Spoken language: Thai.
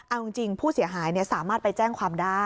เอาจริงผู้เสียหายสามารถไปแจ้งความได้